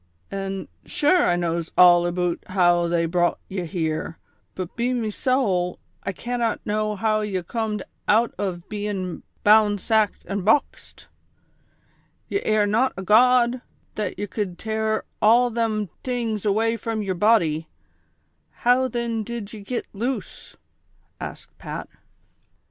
"An' shure I knows all aboot how they brot ye here, but, be me sowl, I cannot know how ye comed out ov bein' ' bound, sacked an' boxed ;' ye air not a god, that ye could tare all them tings away from yer body ; how, thin, did ye git loose V " asked Pat.